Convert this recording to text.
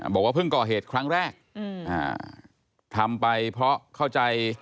บอกว่าเพิ่งก่อเหตุครั้งแรกทำไปเพราะเข้าใจ